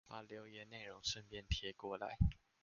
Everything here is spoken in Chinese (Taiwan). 把留言內容順便貼過來